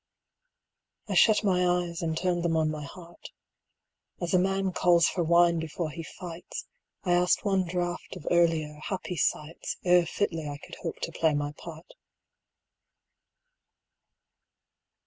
I shut my eyes and turned them on my heart. 85 As a man calls for wine before he fights, I asked one draft of earlier, happier sights, Ere fitly I could hope to play my part.